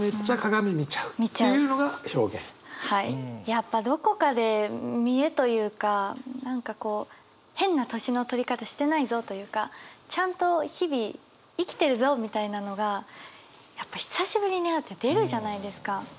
やっぱどこかで見えというか何かこう変な年の取り方してないぞというかちゃんと日々生きてるぞみたいなのがやっぱ久しぶりに会うって出るじゃないですか。